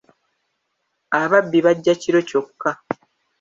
Ababbi bajja kiro kyokka.